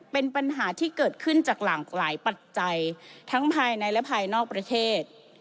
เป็นปัญหาที่เกิดขึ้นจากหลากหลายปัจจัยทั้งภายในและภายนอกประเทศ